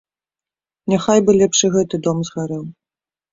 Няхай бы лепш і гэты дом згарэў.